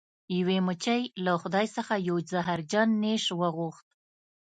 یوې مچۍ له خدای څخه یو زهرجن نیش وغوښت.